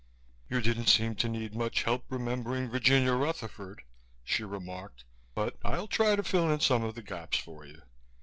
"You didn't seem to need much help remembering Virginia Rutherford," she remarked, "but I'll try to fill in some of the gaps for you.